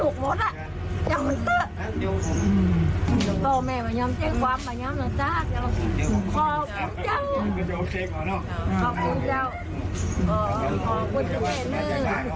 อ๋อควรที่แปลงก็คือแม่กับผ่านอ้าวของคุณบ่า